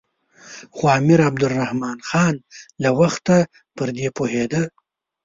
خو امیر عبدالرحمن خان له وخته پر دې پوهېده.